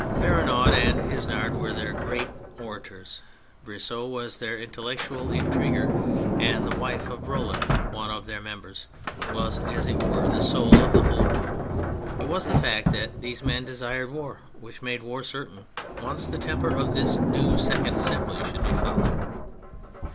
Vergniaud and Isnard were their great orators, Brissot was their intellectual intriguer, and the wife of Roland, one of their members, was, as it were, the soul of the whole group. It was the fact that these men desired war which made war certain, once the temper of this new second Assembly should be felt.